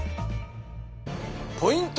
ポイント